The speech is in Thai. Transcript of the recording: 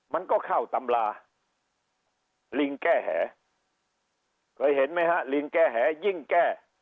มันก็เข้าตำราลิงแก้แหเคยเห็นไหมฮะลิงแก้แหยิ่งแก้